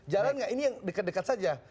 jalan gak ini yang dekat dekat saja